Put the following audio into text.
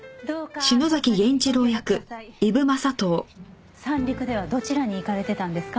三陸ではどちらに行かれてたんですか？